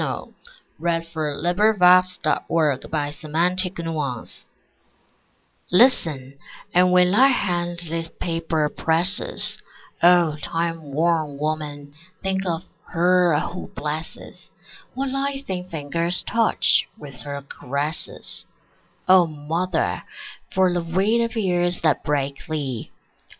W X . Y Z A Letter from a Girl to Her Own Old Age LISTEN, and when thy hand this paper presses, O time worn woman, think of her who blesses What thy thin fingers touch, with her caresses. O mother, for the weight of years that break thee!